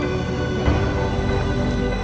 akhirnya bel increasing